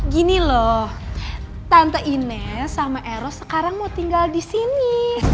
gini loh tante ines sama eros sekarang mau tinggal di sini